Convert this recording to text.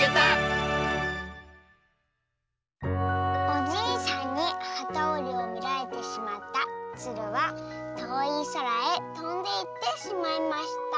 「おじいさんにはたおりをみられてしまったつるはとおいそらへとんでいってしまいました」。